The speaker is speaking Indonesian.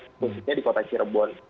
maksudnya di kota cirebon